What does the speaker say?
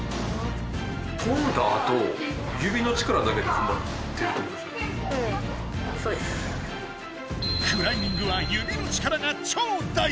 とんだあとクライミングは指の力がちょう大事！